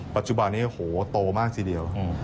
ปัจจุบันนี้โอ้โหโตมากทีเดียว